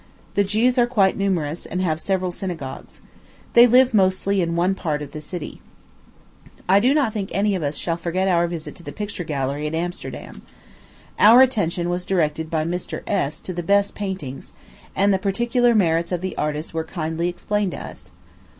The Jews are quite numerous, and have several synagogues. They live mostly in one part of the city. I do not think we shall any of us forget our visit to the picture gallery at Amsterdam. Our attention was directed by Mr. S. to the best paintings, and the particular merits of the artists were kindly explained to us.